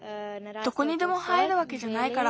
どこにでも生えるわけじゃないから。